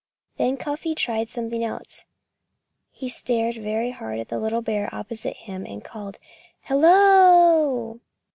Then Cuffy tried something else. He stared very hard at the little bear opposite him, and called "Hello!"